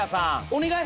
お願い！